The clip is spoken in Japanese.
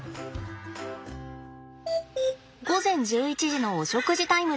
午前１１時のお食事タイムです。